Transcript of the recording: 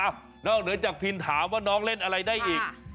นอกเหนือจากพินถามว่าน้องเล่นอะไรได้อีก